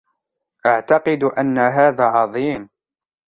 أعتقد أن هذا عظيم!